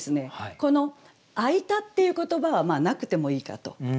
この「開いた」っていう言葉はまあなくてもいいかと。